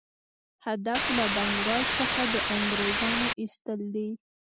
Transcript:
هدف له بنګال څخه د انګرېزانو ایستل دي.